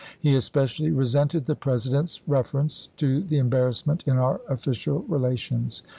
He especially resented the Presi dent's reference to the "embarrassment in our official relations."